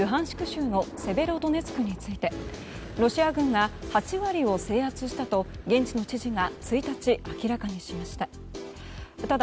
州のセベロドネツクについてロシア軍が８割を制圧したと現地の知事が１日明らかにしました。